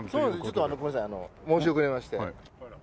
ちょっとあのごめんなさい申し遅れまして。